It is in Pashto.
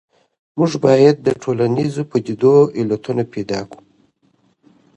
موږ بايد د ټولنيزو پديدو علتونه پيدا کړو.